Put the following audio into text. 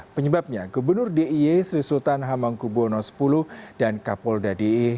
penyebabnya gubernur d i e sri sultan hamangkubo no sepuluh dan kapolda d i e